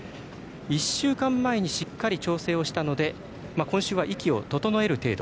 １週間前にしっかり調整をしたので今週は息を整える程度。